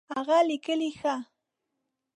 هغه لیکي ښه